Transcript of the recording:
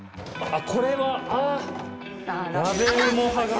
あっこれは？